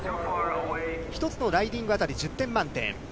１つのライディング当たり１０点満点。